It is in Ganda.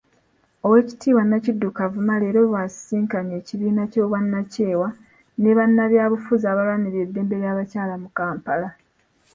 Oweekitibwa Nankindu Kavuma, leero bw'asisinkanye ebibiina by'obwannakyewa ne bannabyabufuzi abalwanirira eddembe ly'abakyala mu Kampala.